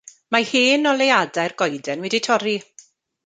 Mae hen oleuadau'r goeden wedi torri.